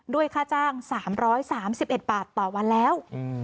ค่าจ้าง๓๓๑บาทต่อวันแล้ว